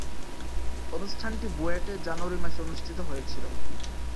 অনুষ্ঠানটি বুয়েটে জানুয়ারি মাসে অনুষ্ঠিত হয়েছিলো।